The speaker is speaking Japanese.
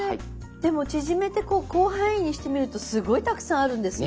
でも縮めてこう広範囲にしてみるとすごいたくさんあるんですね。